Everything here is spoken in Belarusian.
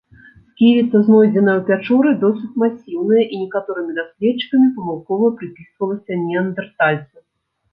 Сківіца, знойдзеная ў пячоры, досыць масіўная і некаторымі даследчыкамі памылкова прыпісвалася неандэртальцу.